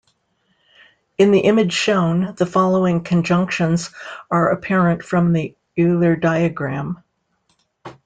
In the image shown, the following conjunctions are apparent from the Euler diagram.